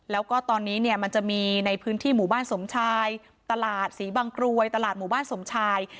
แล้วก็ตอนนี้เนี่ยมันจะมีในพื้นที่หมู่บ้านสมชายตลาดศรีบางกรวยตลาดหมู่บ้านสมชาย